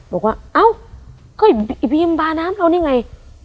บอกว่าอ้าวไอ้บีมบาร์น้ำเรานี่ไง